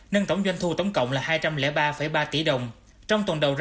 nâng tổng doanh thu tổng cộng là hai trăm linh ba ba tỷ đồng